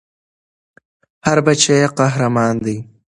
هر بــچی ېي قـــهــــــــرمان دی